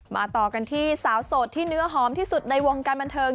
ต่อกันที่สาวโสดที่เนื้อหอมที่สุดในวงการบันเทิง